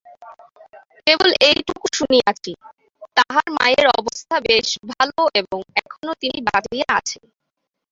কেবল এইটুকু শুনিয়াছি, তাহার মায়ের অবস্থা বেশ ভালো এবং এখনো তিনি বাঁচিয়া আছেন।